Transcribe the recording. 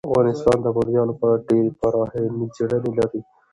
افغانستان د بامیان په اړه ډیرې پراخې او علمي څېړنې لري.